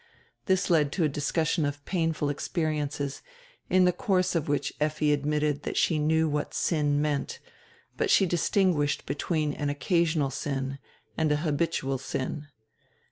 This led to a discussion of painful experiences, in the course of which Effi admitted that she knew what sin meant, but she distinguished be tween an occasional sin and a habitual sin.